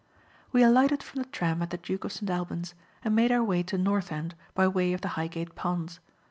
We alighted from the tram at the "Duke of St. Alban's" and made our way to North End by way of the Highgate Ponds.